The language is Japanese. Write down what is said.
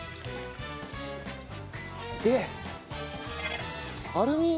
でアルミ。